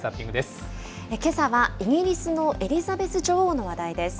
けさは、イギリスのエリザベス女王の話題です。